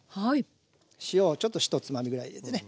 塩をちょっとひとつまみぐらい入れてね。